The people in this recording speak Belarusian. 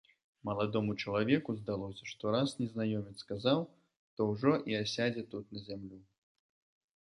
Маладому чалавеку здалося, што раз незнаёмец сказаў, то ўжо і асядзе тут на зямлю.